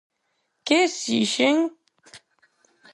¿Que exixen?